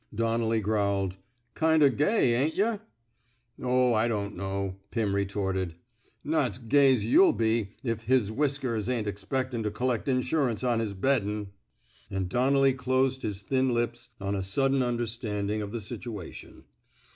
Donnelly growled: ^^ Kind o' gay, ain't yuh?" Oh, I don't know," Pim retorted. Not's gay's you'll be if * his whiskers ' ain't expectin' to collect insurance on his beddin'." And Donnelly closed his thin lips on a sudden understanding of the situation.